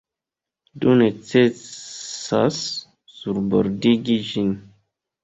Do necesas surbordigi ĝin.